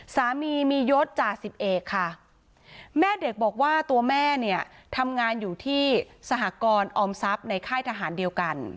สามีมียศจ่าสิบเอกค่ะแม่เด็กบอกว่าตัวแม่เนี่ยทำงานอยู่ที่สหกรออมทรัพย์ในค่ายทหารเดียวกัน